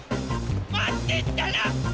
まってったら！